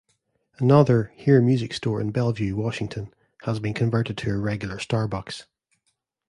Another Hear Music store in Bellevue, Washington has been converted to a regular Starbucks.